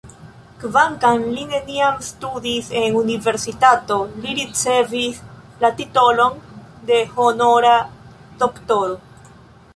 Kvankam li neniam studis en universitato, li ricevis la titolon de honora doktoro.